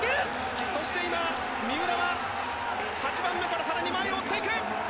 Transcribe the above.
そして今、三浦は８番目から前を追っていく。